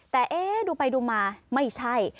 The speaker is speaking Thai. แต่เอ๊ะดูไปดูมาไม่ใช่